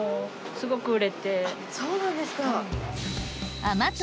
そうなんですか。